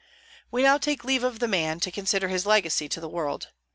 We now take leave of the man, to consider his legacy to the world.